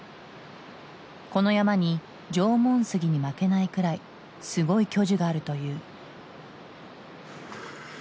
この山に縄文杉に負けないくらいすごい巨樹があるという。